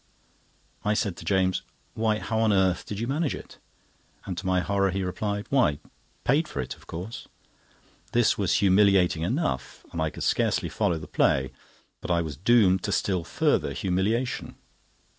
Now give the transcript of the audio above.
I said to James: "Why, how on earth did you manage it?" and to my horror he replied: "Why, paid for it of course." This was humiliating enough, and I could scarcely follow the play, but I was doomed to still further humiliation.